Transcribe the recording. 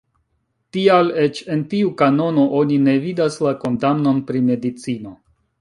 Tial, eĉ en tiu kanono oni ne vidas la kondamnon pri medicino.